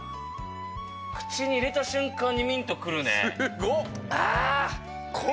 口に入れた瞬間にミント来るね。